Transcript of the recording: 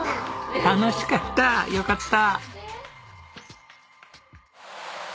楽しかったよかった！